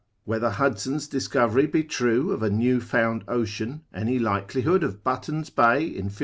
Whether Hudson's discovery be true of a new found ocean, any likelihood of Button's Bay in 50.